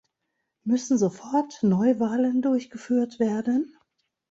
Müssen sofort Neuwahlen durchgeführt werden?